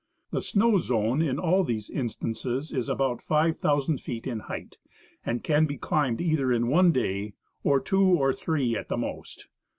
The snow zone in all these instances is about 5,000 feet in height, and can be climbed either in one day, or two or three at the most.